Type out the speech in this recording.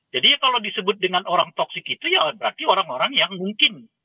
jadi kalau disebut dengan orang toksik itu ya berarti orang orang yang mungkin